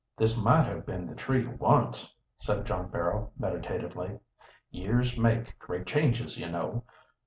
"This might have been the tree once," said John Barrow meditatively. "Years make great changes, you know.